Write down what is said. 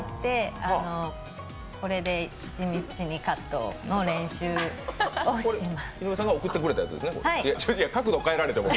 これで地道にカットの練習をしています。